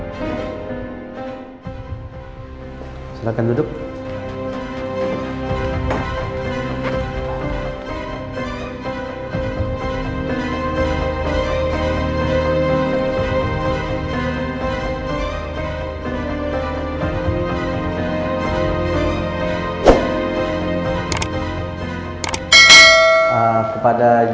semoga kesaksian dari mbak endin tidak semakin memberatkan hukuman saya